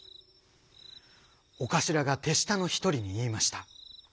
お頭が手下のひとりに言いました。